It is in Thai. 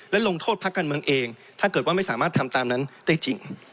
และลงโทษพักการเมืองเองถ้าเกิดว่าไม่สามารถทำตามนั้นได้จริง